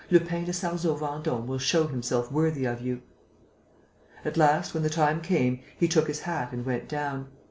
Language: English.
Lupin de Sarzeau Vendôme will show himself worthy of you." At last, when the time came, he took his hat and went down.